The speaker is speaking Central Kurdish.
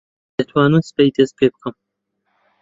دەتوانم سبەی دەست پێ بکەم.